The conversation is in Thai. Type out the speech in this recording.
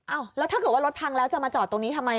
แล้วถ้าเกิดว่ารถพังแล้วจะมาจอดตรงนี้ทำไม